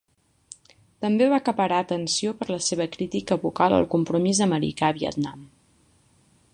També va acaparar atenció per la seva crítica vocal al compromís americà a Vietnam.